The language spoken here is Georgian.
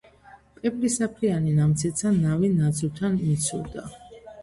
პეპლისაფრიანი ნამცეცა ნავი ნაძვთან მიცურდა.